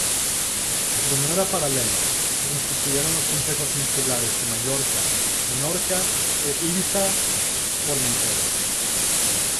De manera paralela, se constituyeron los consejos insulares de Mallorca, Menorca e Ibiza-Formentera.